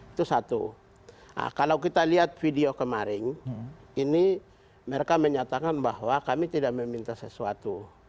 itu satu kalau kita lihat video kemarin ini mereka menyatakan bahwa kami tidak meminta sesuatu